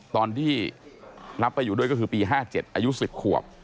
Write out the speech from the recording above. ตอนที่รับไปอยู่ด้วยก็คือปีห้าเจ็ดอายุสิบขวบ